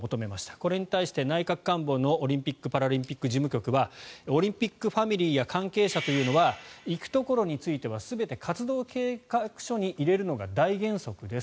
これに対して内閣官房のオリンピック・パラリンピック事務局はオリンピックファミリーや関係者というのは行くところについては全て活動計画書に入れるのが大原則です。